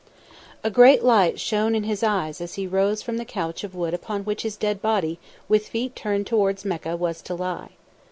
A great light shone in his eyes as he rose from the couch of wood upon which his dead body, with feet turned towards Mecca, was to lie.